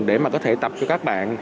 để có thể tập cho các bạn